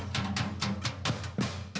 siap dulu nih